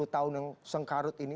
lima puluh tahun yang sengkarut ini